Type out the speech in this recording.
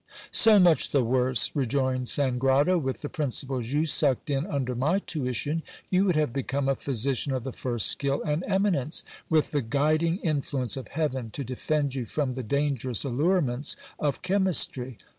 So much the worse, rejoined Sangrado : with the principles you sucked in under my tuition, you would have become a physician of the first skill and eminence, with the guiding influence of heaven to defend you from the dangerous allurements of chemistry.